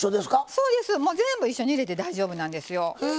そうですぜんぶ一緒に入れて大丈夫なんですよ。